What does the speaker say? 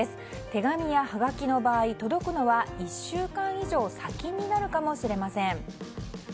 手紙やはがきの場合届くのは１週間以上先になるかもしれません。